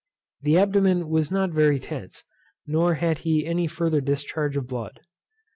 The Abdomen was not very tense, nor had he any further discharge of blood.